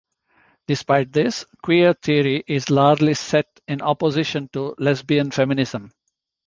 Despite this, queer theory is largely set in opposition to lesbian feminism.